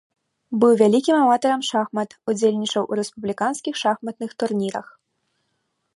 Быў вялікім аматарам шахмат, удзельнічаў у рэспубліканскіх шахматных турнірах.